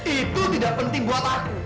itu tidak penting buat aku